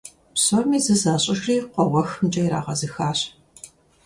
Псоми зы защIыжри къуэ уэхымкIэ ирагъэзыхащ.